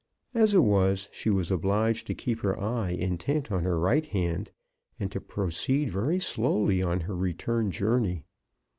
As it was, she was obliged to keep her eye intent on her right hand, and to proceed very slowly on her return journey.